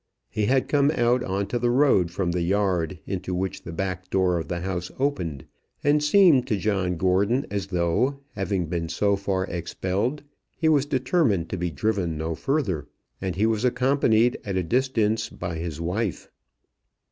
He had come out on to the road from the yard into which the back door of the house opened, and seemed to John Gordon as though, having been so far expelled, he was determined to be driven no further, and he was accompanied, at a distance, by his wife.